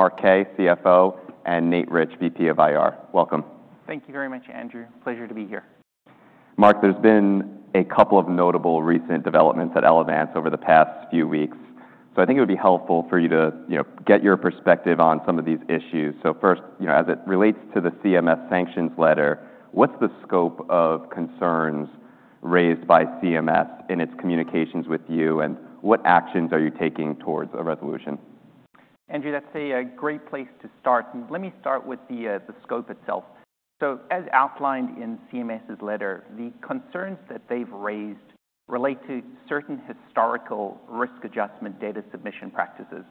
Mark Kaye, CFO and Nathan Rich, VP of IR welcome. Thank you very much Andrew pleasure to be here. Mark there's been a couple of notable recent developments at Elevance over the past few weeks, so I think it would be helpful for you to, you know, get your perspective on some of these issues. First, you know, as it relates to the CMS sanctions letter, what's the scope of concerns raised by CMS in its communications with you, and what actions are you taking towards a resolution? Andrew that's a great place to start, and let me start with the scope itself. As outlined in CMS's letter, the concerns that they've raised relate to certain historical risk adjustment data submission practices,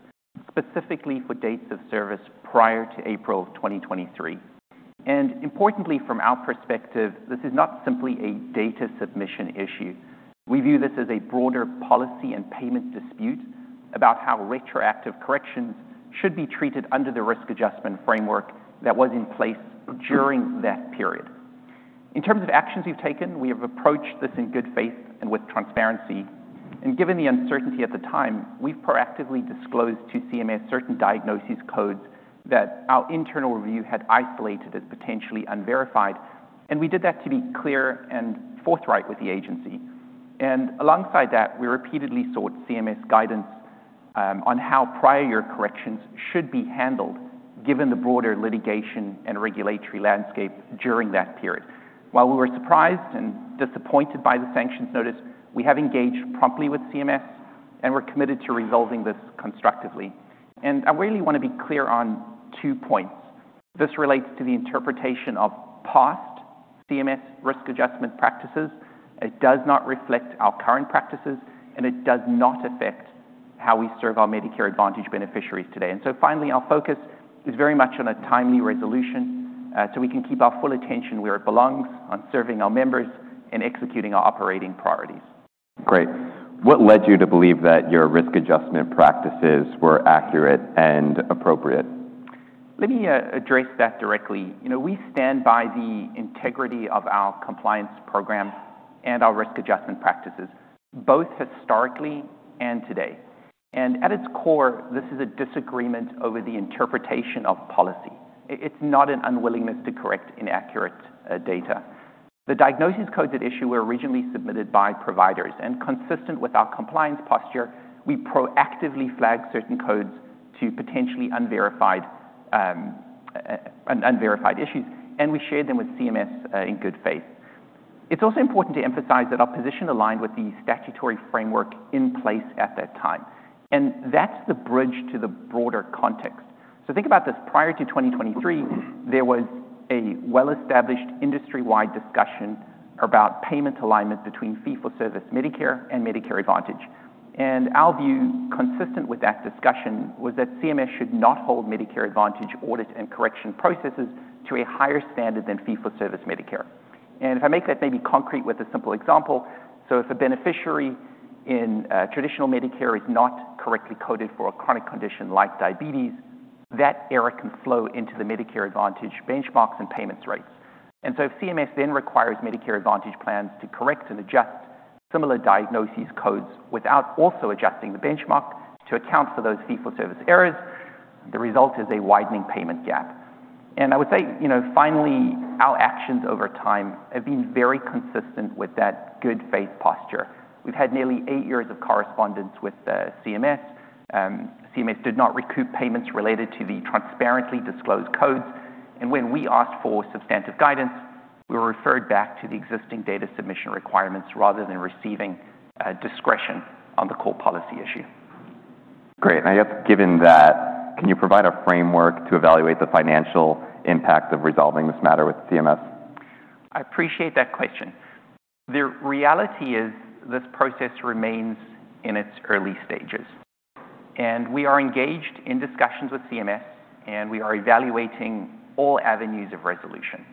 specifically for dates of service prior to April of 2023. Importantly, from our perspective, this is not simply a data submission issue. We view this as a broader policy and payments dispute about how retroactive corrections should be treated under the risk adjustment framework that was in place during that period. In terms of actions we've taken, we have approached this in good faith and with transparency and given the uncertainty at the time, we've proactively disclosed to CMS certain diagnosis codes that our internal review had isolated as potentially unverified and we did that to be clear and forthright with the agency. Alongside that we repeatedly sought CMS guidance on how prior year corrections should be handled given the broader litigation and regulatory landscape during that period. While we were surprised and disappointed by the sanctions notice, we have engaged promptly with CMS, and we're committed to resolving this constructively. I really wanna be clear on two points. This relates to the interpretation of past CMS risk adjustment practices. It does not reflect our current practices, and it does not affect how we serve our Medicare Advantage beneficiaries today. Finally, our focus is very much on a timely resolution, so we can keep our full attention where it belongs, on serving our members and executing our operating priorities. Great what led you to believe that your risk adjustment practices were accurate and appropriate? Let me address that directly. You know, we stand by the integrity of our compliance programs and our risk adjustment practices, both historically and today. At its core, this is a disagreement over the interpretation of policy. It's not an unwillingness to correct inaccurate data. The diagnosis codes at issue were originally submitted by providers, and consistent with our compliance posture, we proactively flagged certain codes to potentially unverified issues, and we shared them with CMS in good faith. It's also important to emphasize that our position aligned with the statutory framework in place at that time, and that's the bridge to the broader context. Think about this. Prior to 2023, there was a well-established industry-wide discussion about payment alignment between fee-for-service Medicare and Medicare Advantage. Our view, consistent with that discussion, was that CMS should not hold Medicare Advantage audit and correction processes to a higher standard than fee-for-service Medicare. If I make that maybe concrete with a simple example, if a beneficiary in traditional Medicare is not correctly coded for a chronic condition like diabetes, that error can flow into the Medicare Advantage benchmarks and payment rates. If CMS then requires Medicare Advantage plans to correct and adjust similar diagnosis codes without also adjusting the benchmark to account for those fee-for-service errors, the result is a widening payment gap. I would say, you know, finally, our actions over time have been very consistent with that good faith posture. We've had nearly eight years of correspondence with CMS. CMS did not recoup payments related to the transparently disclosed codes, and when we asked for substantive guidance, we were referred back to the existing data submission requirements rather than receiving discretion on the core policy issue. Great. I guess given that, can you provide a framework to evaluate the financial impact of resolving this matter with CMS? I appreciate that question. The reality is this process remains in its early stages, and we are engaged in discussions with CMS, and we are evaluating all avenues of resolution.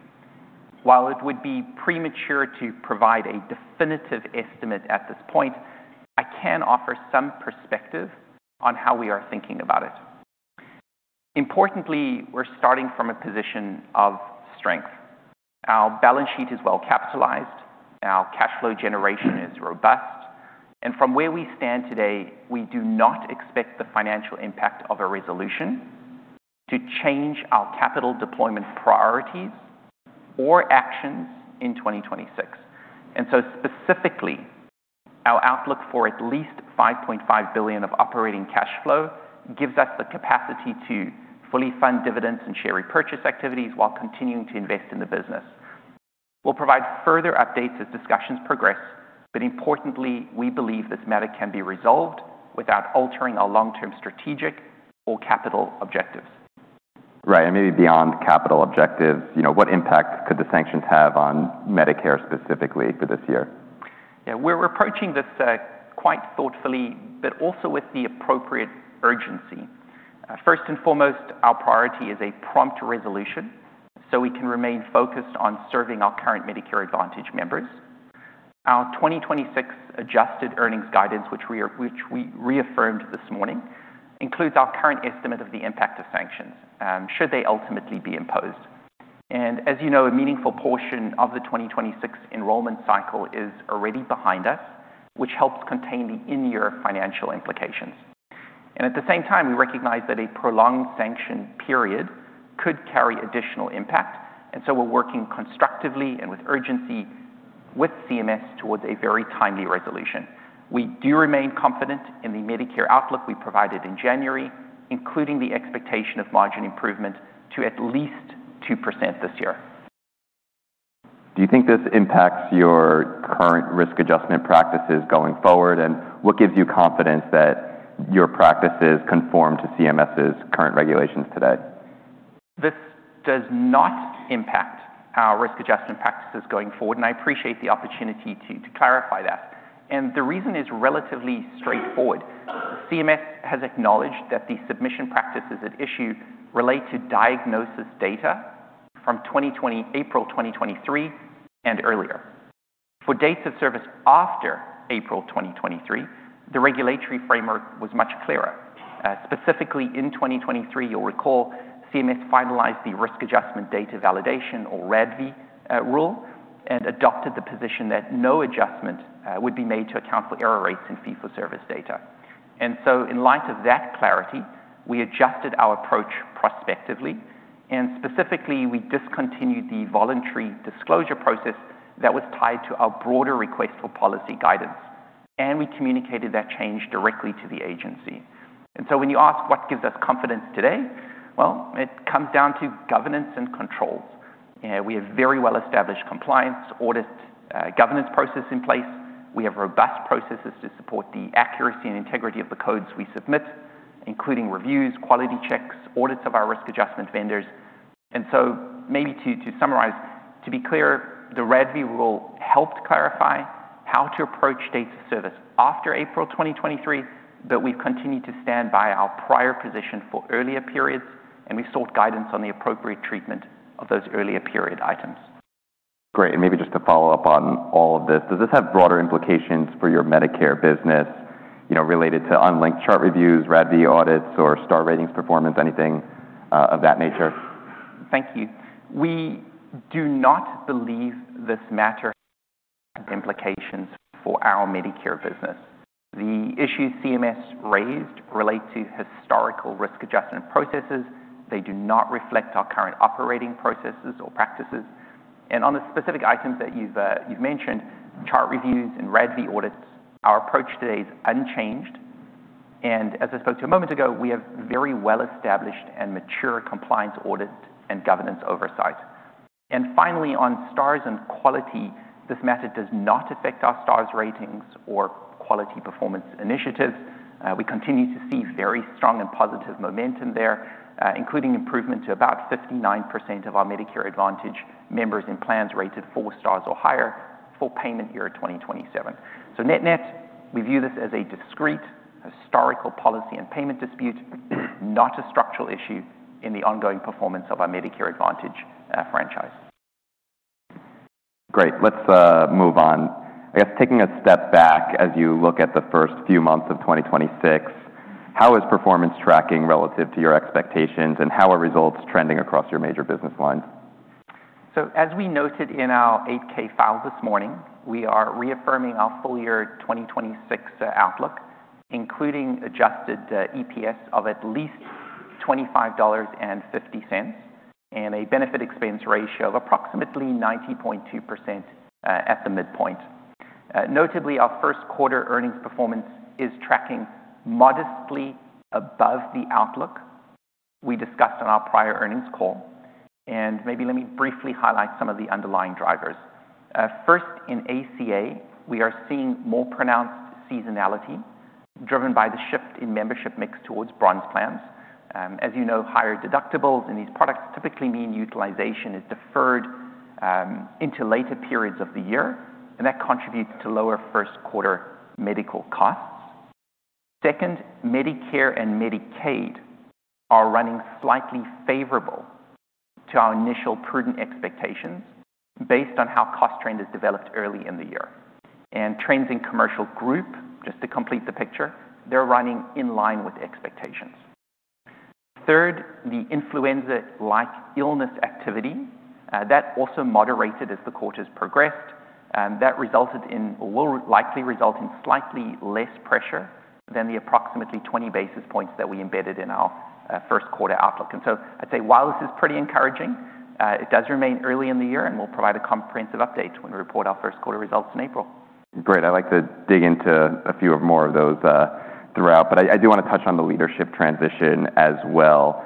While it would be premature to provide a definitive estimate at this point, I can offer some perspective on how we are thinking about it. Importantly, we're starting from a position of strength. Our balance sheet is well-capitalized, and our cash flow generation is robust, and from where we stand today, we do not expect the financial impact of a resolution to change our capital deployment priorities or actions in 2026. Specifically, our outlook for at least $5.5 billion of operating cash flow gives us the capacity to fully fund dividends and share repurchase activities while continuing to invest in the business. We'll provide further updates as discussions progress, but importantly, we believe this matter can be resolved without altering our long-term strategic or capital objectives. Right, maybe beyond capital objectives, you know, what impact could the sanctions have on Medicare specifically for this year? Yeah. We're approaching this quite thoughtfully but also with the appropriate urgency. First and foremost, our priority is a prompt resolution, so we can remain focused on serving our current Medicare Advantage members. Our 2026 adjusted earnings guidance, which we reaffirmed this morning, includes our current estimate of the impact of sanctions, should they ultimately be imposed. As you know, a meaningful portion of the 2026 enrollment cycle is already behind us, which helps contain the in-year financial implications. At the same time, we recognize that a prolonged sanction period could carry additional impact. We're working constructively and with urgency with CMS towards a very timely resolution. We do remain confident in the Medicare outlook we provided in January, including the expectation of margin improvement to at least 2% this year. Do you think this impacts your current risk adjustment practices going forward? What gives you confidence that your practices conform to CMS's current regulations today? This does not impact our risk adjustment practices going forward, and I appreciate the opportunity to clarify that. The reason is relatively straightforward. CMS has acknowledged that the submission practices at issue relate to diagnosis data from 2020 - April 2023 and earlier. For dates of service after April 2023, the regulatory framework was much clearer. Specifically in 2023, you'll recall CMS finalized the Risk Adjustment Data Validation, or RADV, rule, and adopted the position that no adjustment would be made to account for error rates in fee-for-service data. In light of that clarity, we adjusted our approach prospectively, and specifically, we discontinued the voluntary disclosure process that was tied to our broader request for policy guidance, and we communicated that change directly to the agency. When you ask what gives us confidence today, well, it comes down to governance and controls. We have very well-established compliance, audit, governance process in place. We have robust processes to support the accuracy and integrity of the codes we submit, including reviews, quality checks, audits of our risk adjustment vendors. Maybe to summarize, to be clear, the RADV rule helped clarify how to approach dates of service after April 2023, but we've continued to stand by our prior position for earlier periods, and we've sought guidance on the appropriate treatment of those earlier period items. Great. Maybe just to follow up on all of this, does this have broader implications for your Medicare business, you know, related to unlinked chart reviews, RADV audits, or star ratings performance, anything, of that nature? Thank you we do not believe this matter has implications for our Medicare business. The issues CMS raised relate to historical risk adjustment processes. They do not reflect our current operating processes or practices. On the specific items that you've mentioned, chart reviews and RADV audits, our approach today is unchanged. As I spoke to a moment ago, we have very well-established and mature compliance audit and governance oversight. Finally, on stars and quality, this matter does not affect our stars ratings or quality performance initiatives. We continue to see very strong and positive momentum there, including improvement to about 59% of our Medicare Advantage members in plans rated four stars or higher for payment year 2027. Net-net we view this as a discrete historical policy and payment dispute, not a structural issue in the ongoing performance of our Medicare Advantage franchise. Great let's move on I guess taking a step back as you look at the first few months of 2026, how is performance tracking relative to your expectations, and how are results trending across your major business lines? As we noted in our 8-K file this morning, we are reaffirming our full year 2026 outlook, including adjusted EPS of at least $25.50 and a benefit expense ratio of approximately 90.2% at the midpoint. Notably, our first quarter earnings performance is tracking modestly above the outlook we discussed on our prior earnings call. Maybe let me briefly highlight some of the underlying drivers. First, in ACA, we are seeing more pronounced seasonality driven by the shift in membership mix towards bronze plans. As you know, higher deductibles in these products typically mean utilization is deferred into later periods of the year, and that contributes to lower first quarter medical costs. Second, Medicare and Medicaid are running slightly favorable to our initial prudent expectations based on how cost trend has developed early in the year. Trends in commercial group, just to complete the picture, they're running in line with expectations. Third, the influenza-like illness activity that also moderated as the quarter has progressed. That resulted in or will likely result in slightly less pressure than the approximately 20 basis points that we embedded in our first quarter outlook. I'd say while this is pretty encouraging, it does remain early in the year, and we'll provide a comprehensive update when we report our first quarter results in April. Great. I'd like to dig into a few of more of those throughout, but I do wanna touch on the leadership transition as well.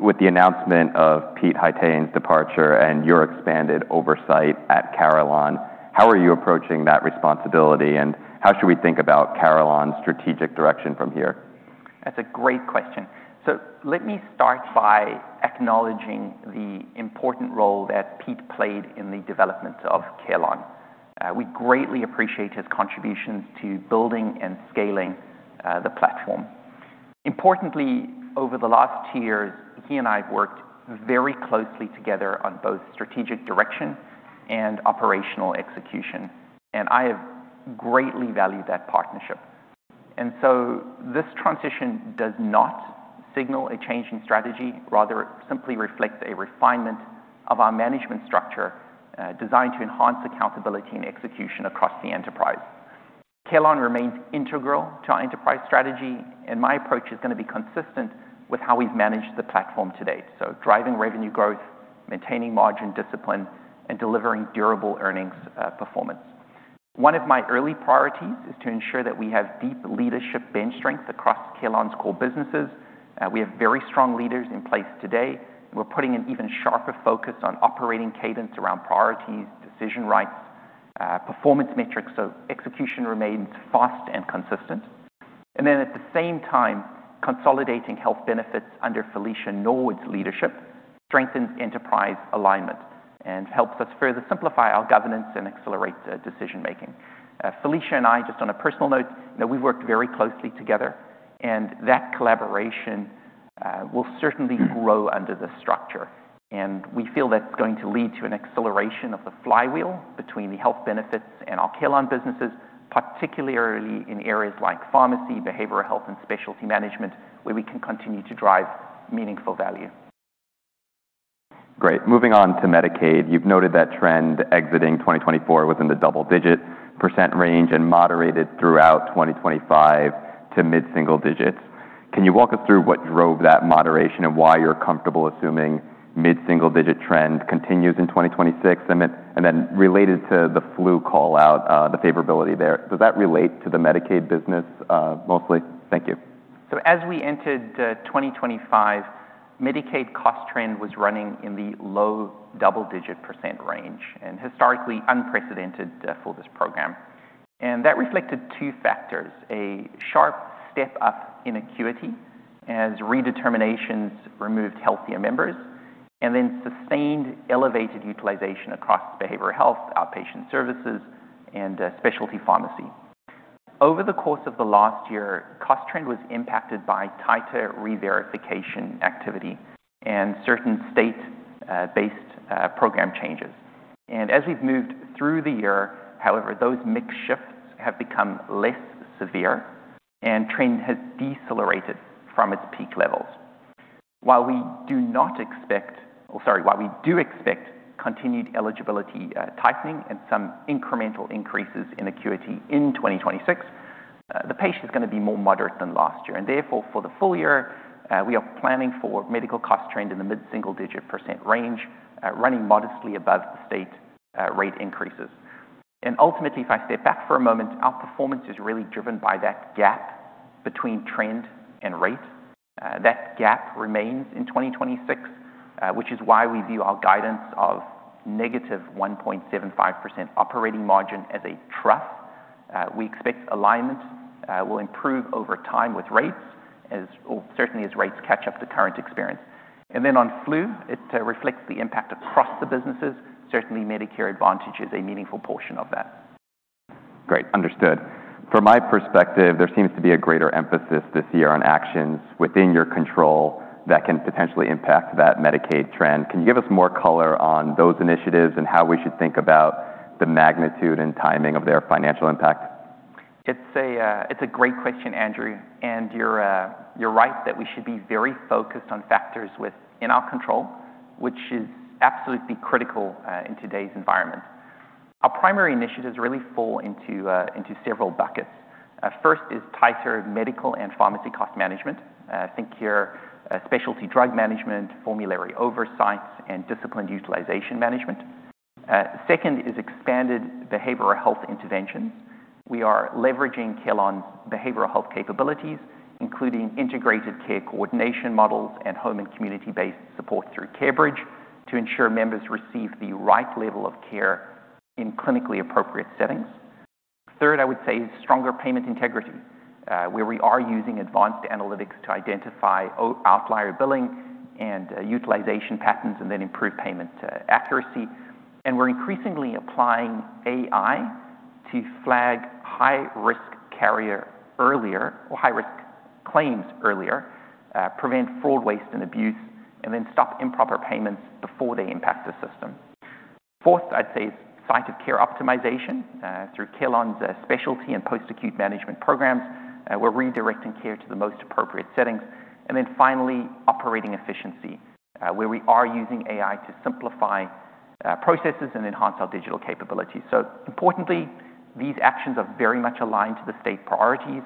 With the announcement of Peter D. Haytaian's departure and your expanded oversight at Carelon, how are you approaching that responsibility, and how should we think about Carelon's strategic direction from here? That's a great question. Let me start by acknowledging the important role that Pete played in the development of Carelon. We greatly appreciate his contributions to building and scaling the platform. Importantly, over the last two years, he and I have worked very closely together on both strategic direction and operational execution, and I have greatly valued that partnership. This transition does not signal a change in strategy. Rather, it simply reflects a refinement of our management structure designed to enhance accountability and execution across the enterprise. Carelon remains integral to our enterprise strategy, and my approach is going to be consistent with how we've managed the platform to date, driving revenue growth, maintaining margin discipline, and delivering durable earnings performance. One of my early priorities is to ensure that we have deep leadership bench strength across Carelon's core businesses. We have very strong leaders in place today. We're putting an even sharper focus on operating cadence around priorities, decision rights, performance metrics, so execution remains fast and consistent. Consolidating health benefits under Felicia Norwood's leadership strengthens enterprise alignment and helps us further simplify our governance and accelerate decision-making. Felicia and I, just on a personal note, you know, we've worked very closely together and that collaboration will certainly grow under this structure. We feel that's going to lead to an acceleration of the flywheel between the health benefits and our Carelon businesses, particularly in areas like pharmacy, behavioral health, and specialty management, where we can continue to drive meaningful value. Great moving on to Medicaid you've noted that trend exiting 2024 within the double-digit percent range and moderated throughout 2025 to mid-single digits. Can you walk us through what drove that moderation and why you're comfortable assuming mid-single-digit trend continues in 2026? Related to the flu call-out, the favorability there, does that relate to the Medicaid business, mostly? Thank you. As we entered 2025, Medicaid cost trend was running in the low double-digit percent range and historically unprecedented for this program. That reflected two factors, a sharp step up in acuity as redeterminations removed healthier members and then sustained elevated utilization across behavioral health, outpatient services, and specialty pharmacy. Over the course of the last year, cost trend was impacted by tighter reverification activity and certain state-based program changes. As we've moved through the year, however, those mix shifts have become less severe and trend has decelerated from its peak levels. While we do expect continued eligibility tightening and some incremental increases in acuity in 2026, the pace is gonna be more moderate than last year. Therefore, for the full year, we are planning for medical cost trend in the mid-single digit percent range, running modestly above state rate increases. Ultimately, if I step back for a moment, our performance is really driven by that gap between trend and rate. That gap remains in 2026, which is why we view our guidance of -1.75% operating margin as a trough. We expect alignment will improve over time with rates as well, certainly as rates catch up to current experience. Then on flu, it reflects the impact across the businesses. Certainly, Medicare Advantage is a meaningful portion of that. Great understood from my perspective, there seems to be a greater emphasis this year on actions within your control that can potentially impact that Medicaid trend. Can you give us more color on those initiatives and how we should think about the magnitude and timing of their financial impact? It's a great question Andrew you're right that we should be very focused on factors within our control, which is absolutely critical in today's environment. Our primary initiatives really fall into several buckets. First is tighter medical and pharmacy cost management. Think here, specialty drug management, formulary oversight, and disciplined utilization management. Second is expanded behavioral health interventions. We are leveraging Carelon's behavioral health capabilities, including integrated care coordination models and home and community-based support through CareBridge to ensure members receive the right level of care in clinically appropriate settings. Third, I would say is stronger payment integrity, where we are using advanced analytics to identify outlier billing and utilization patterns, and then improve payment accuracy. We're increasingly applying AI to flag high-risk carrier earlier or high-risk claims earlier, prevent fraud, waste, and abuse, and then stop improper payments before they impact the system. Fourth, I'd say is site of care optimization, through Carelon's, specialty and post-acute management programs. We're redirecting care to the most appropriate settings. Finally, operating efficiency, where we are using AI to simplify, processes and enhance our digital capabilities. Importantly, these actions are very much aligned to the state priorities.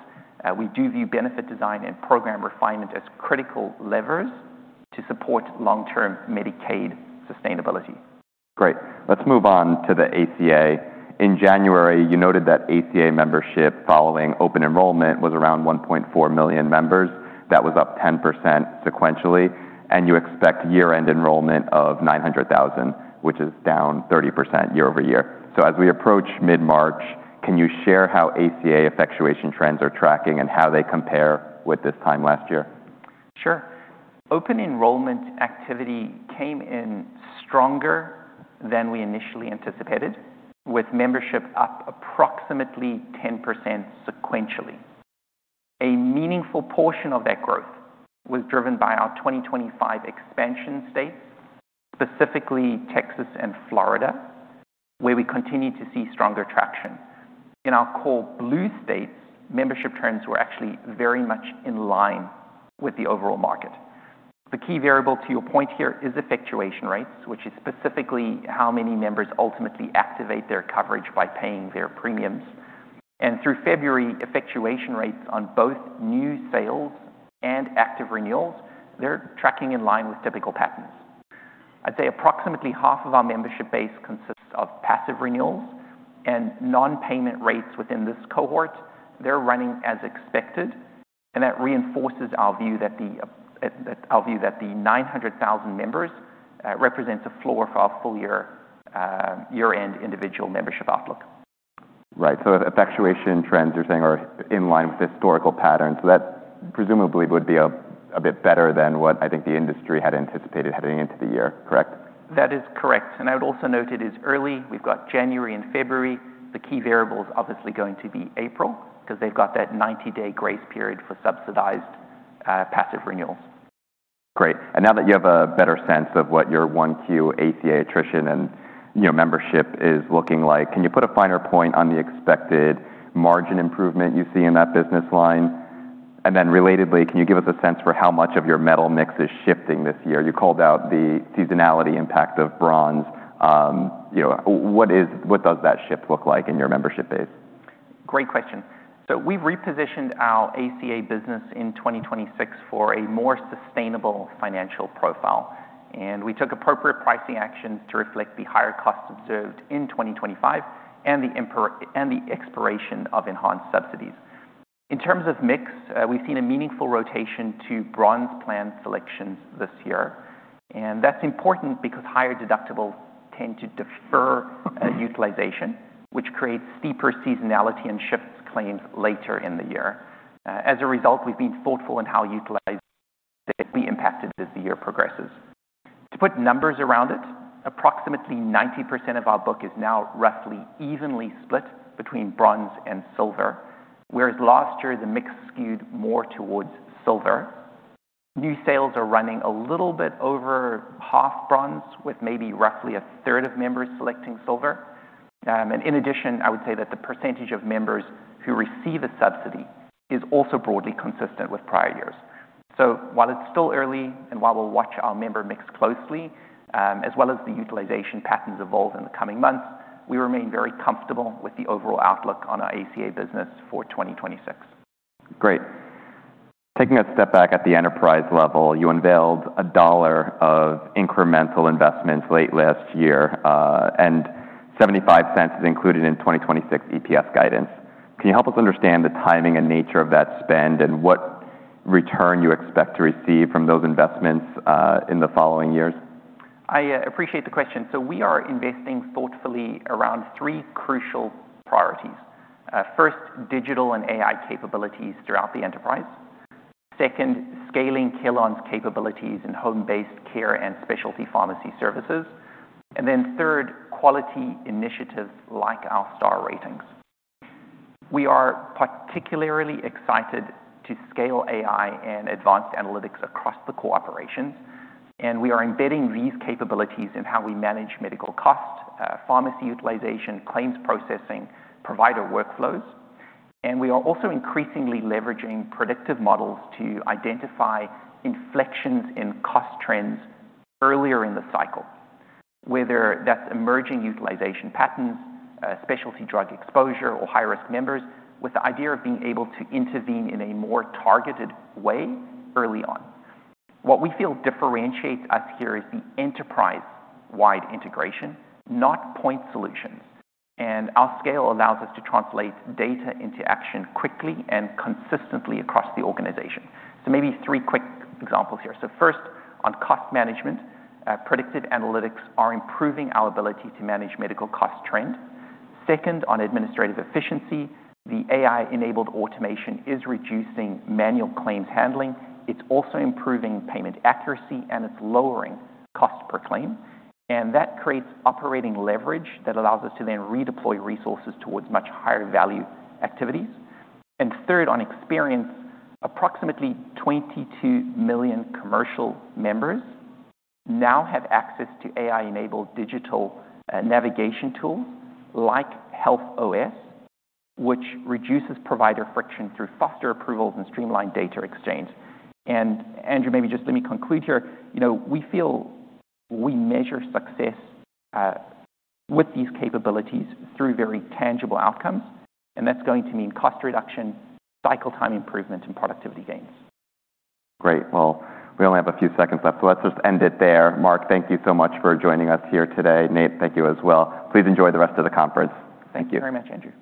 We do view benefit design and program refinement as critical levers to support long-term Medicaid sustainability. Great let's move on to the ACA in January, you noted that ACA membership following open enrollment was around 1.4 million members. That was up 10% sequentially, and you expect year-end enrollment of 900,000, which is down 30% year-over-year. As we approach mid-March, can you share how ACA effectuation trends are tracking and how they compare with this time last year? Sure. Open enrollment activity came in stronger than we initially anticipated, with membership up approximately 10% sequentially. A meaningful portion of that growth was driven by our 2025 expansion states, specifically Texas and Florida, where we continue to see stronger traction. In our core blue states, membership trends were actually very much in line with the overall market. The key variable to your point here is effectuation rates, which is specifically how many members ultimately activate their coverage by paying their premiums. Through February, effectuation rates on both new sales and active renewals, they're tracking in line with typical patterns. I'd say approximately half of our membership base consists of passive renewals and non-payment rates within this cohort. They're running as expected, and that reinforces our view that the 900,000 members represent a floor for our full year year-end individual membership outlook. Right effectuation trends you're saying are in line with historical patterns. That presumably would be a bit better than what I think the industry had anticipated heading into the year, correct? That is correct I would also note it is early. We've got January and February. The key variable is obviously going to be April because they've got that 90-day grace period for subsidized passive renewals. Great now that you have a better sense of what your 1Q ACA attrition and, you know, membership is looking like, can you put a finer point on the expected margin improvement you see in that business line? Relatedly, can you give us a sense for how much of your metal mix is shifting this year? You called out the seasonality impact of bronze. You know, what does that shift look like in your membership base? Great question. We've repositioned our ACA business in 2026 for a more sustainable financial profile, and we took appropriate pricing actions to reflect the higher costs observed in 2025 and the expiration of enhanced subsidies. In terms of mix, we've seen a meaningful rotation to bronze plan selections this year, and that's important because higher deductibles tend to defer utilization, which creates steeper seasonality and shifts claims later in the year. As a result, we've been thoughtful in how utilization will be impacted as the year progresses. To put numbers around it, approximately 90% of our book is now roughly evenly split between bronze and silver, whereas last year, the mix skewed more towards silver. New sales are running a little bit over half bronze, with maybe roughly a third of members selecting silver. In addition, I would say that the percentage of members who receive a subsidy is also broadly consistent with prior years. While it's still early, and while we'll watch our member mix closely, as well as the utilization patterns evolve in the coming months, we remain very comfortable with the overall outlook on our ACA business for 2026. Great. Taking a step back at the enterprise level, you unveiled $1 of incremental investments late last year, and $0.75 is included in 2026 EPS guidance. Can you help us understand the timing and nature of that spend and what return you expect to receive from those investments, in the following years? I appreciate the question. We are investing thoughtfully around three crucial priorities. First, digital and AI capabilities throughout the enterprise. Second, scaling Carelon's capabilities in home-based care and specialty pharmacy services. Then third, quality initiatives like our star ratings. We are particularly excited to scale AI and advanced analytics across the core operations, and we are embedding these capabilities in how we manage medical costs, pharmacy utilization, claims processing, provider workflows. We are also increasingly leveraging predictive models to identify inflections in cost trends earlier in the cycle, whether that's emerging utilization patterns, specialty drug exposure, or high-risk members, with the idea of being able to intervene in a more targeted way early on. What we feel differentiates us here is the enterprise-wide integration, not point solutions. Our scale allows us to translate data into action quickly and consistently across the organization. Maybe three quick examples here. First, on cost management, predictive analytics are improving our ability to manage medical cost trends. Second, on administrative efficiency, the AI-enabled automation is reducing manual claims handling. It's also improving payment accuracy, and it's lowering cost per claim. That creates operating leverage that allows us to then redeploy resources towards much higher value activities. Third, on experience, approximately 22 million commercial members now have access to AI-enabled digital navigation tools like HealthOS, which reduces provider friction through faster approvals and streamlined data exchange. Andrew, maybe just let me conclude here. You know, we feel we measure success with these capabilities through very tangible outcomes, and that's going to mean cost reduction, cycle time improvement, and productivity gains. Great well we only have a few seconds left. Let's just end it there Mark thank you so much for joining us here today. Nate thank you as well. Please enjoy the rest of the conference. Thank you. Thank you very much Andrew.